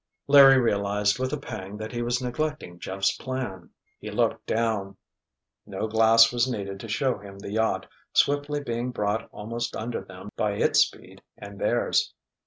Larry realized with a pang that he was neglecting Jeff's plan. He looked down. No glass was needed to show him the yacht, swiftly being brought almost under them by its speed and theirs.